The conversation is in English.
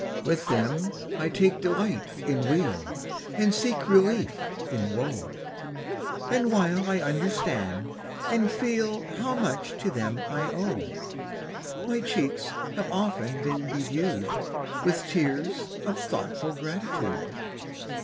1 1 10 GEORGIAN VERSE With them I take delight in weal, And seek relief in woe; And while I understand and feel How much to them I owe, My cheeks have often been bedew'd With tears of thoughtful gratitude.